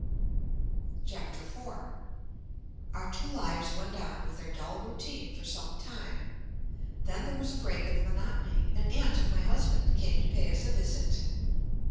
IV Our two lives went on with their dull routine for some time. Then there was a break in the monotony. An aunt of my husband came to pay us a visit.